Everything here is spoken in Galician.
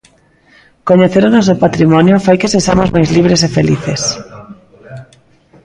Coñecer o noso patrimonio fai que sexamos máis libres e felices.